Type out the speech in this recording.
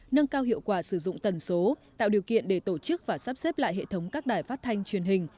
nâng cao hiệu quả sử dụng tần số tạo điều kiện để tổ chức và sắp xếp lại hệ thống các đài phát thanh truyền hình